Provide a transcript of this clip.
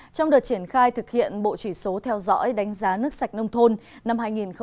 trong đợt triển khai thực hiện bộ chỉ số theo dõi đánh giá nước sạch nông thôn năm hai nghìn một mươi chín